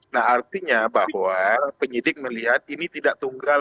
nah artinya bahwa penyidik melihat ini tidak tunggal